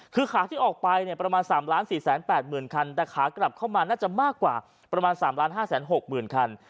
คือขาที่ออกไปเนี่ยประมาณ๓๔๘๐๐๐คันแต่ขากลับเข้ามาน่าจะมากกว่าประมาณ๓๕๖๐๐๐คัน